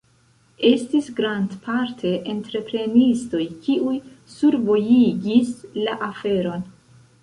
Estis grandparte entreprenistoj, kiuj survojigis la aferon.